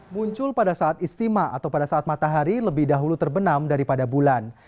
muncul pada saat istimewa atau pada saat matahari lebih dahulu terbenam daripada bulan